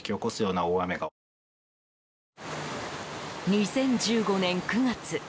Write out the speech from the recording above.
２０１５年９月。